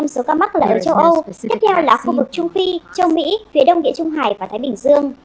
tám mươi năm số ca mắc là ở châu âu tiếp theo là khu vực trung phi châu mỹ phía đông nghĩa trung hải và thái bình dương